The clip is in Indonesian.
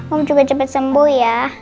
om juga cepat sembuh ya